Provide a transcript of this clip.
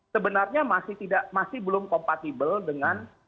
sebenarnya masih belum kompatibel dengan